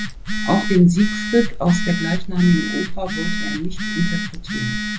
Auch den Siegfried aus der gleichnamigen Oper wollte er nicht interpretieren.